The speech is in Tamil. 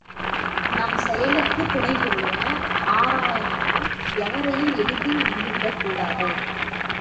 நம் செயலுக்குத் துணைபுரிய, ஆராயாமல், எவரையும் எளிதில் நம்பிவிடக் கூடாது.